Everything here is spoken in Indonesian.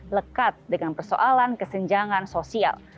lekat dengan persoalan kesenjangan sosial